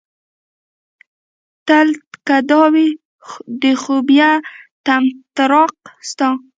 تل که دا وي د خوبيه طمطراق ستا